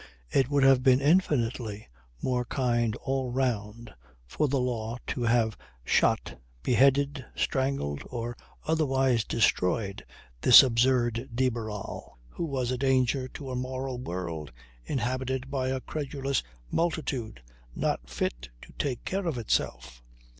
It would have been infinitely more kind all round for the law to have shot, beheaded, strangled, or otherwise destroyed this absurd de Barral, who was a danger to a moral world inhabited by a credulous multitude not fit to take care of itself.